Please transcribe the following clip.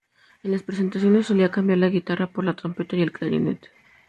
En las presentaciones, solía cambiar la guitarra por la trompeta y el clarinete.